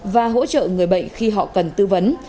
và hỗ trợ người bệnh khi họ cần tư vấn